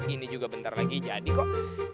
ini juga bentar lagi jadi kok